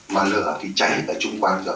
mà lửa thì cháy hết ở chung quanh rồi